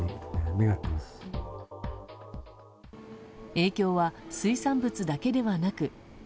影響は水産物だけではなく。